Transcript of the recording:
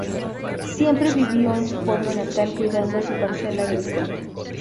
Siempre vivió en su pueblo natal, cuidando su parcela agrícola.